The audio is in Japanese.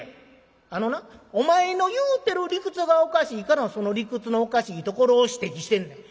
「あのなお前の言うてる理屈がおかしいからその理屈のおかしいところを指摘してんねん」。